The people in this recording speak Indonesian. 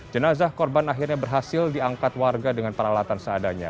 jenazah korban akhirnya berhasil diangkat warga dengan peralatan seadanya